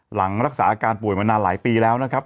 หลังรักษาอาการป่วยมานานหลายปีแล้วนะครับ